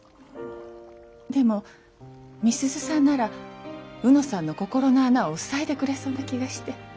でも美鈴さんなら卯之さんの心の穴を塞いでくれそうな気がして。